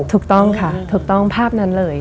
ถูกต้องค่ะถูกต้องภาพนั้นเลย